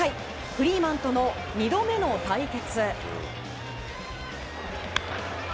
フリーマンとの２度目の対決。